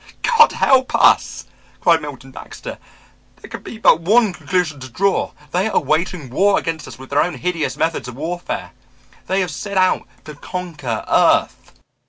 "God help us," cried Milton Baxter, "there can be but one conclusion to draw. They are waging war against us with their own hideous methods of warfare; they have set out to conquer earth!"